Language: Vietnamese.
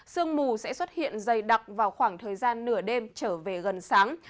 sương mù sẽ xuất hiện dày đặc vào khoảng thời gian nửa đêm trở về gần sáng